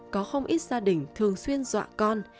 có không ít gia đình thường xuyên dọa con